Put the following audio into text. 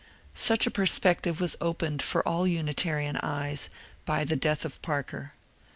Such a perspective was opened for all Unitarian eyes by the death of Parker.